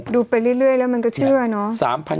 ไปเรื่อยแล้วมันก็เชื่อเนอะ